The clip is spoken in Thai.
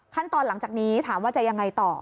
หลังจากนี้ถามว่าจะยังไงต่อ